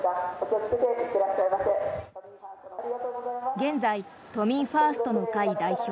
現在、都民ファーストの会代表